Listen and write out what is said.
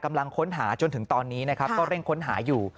กำลังค้นหาจนถึงตอนนี้นะครับก็เร่งค้นหาอยู่